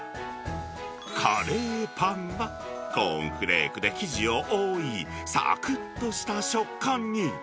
カレーパンは、コーンフレークで生地を覆い、さくっとした食感に。